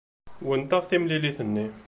Wennteɣ timlilit-nni.